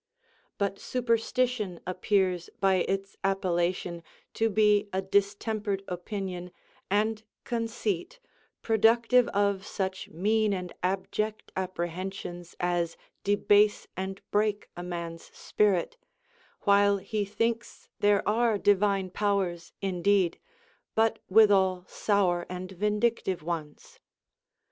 But superstition appears by its appellation to be a distempered opinion and conceit, productive of such mean and abject apprehensions as debase and break a man's spirit, while he thinks there are divine powers in deed, but Avithal sour and vindictive ones.